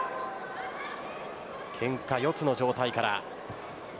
けんか四つの状態から。